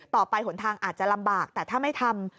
หนทางอาจจะลำบากแต่ถ้าไม่ทำ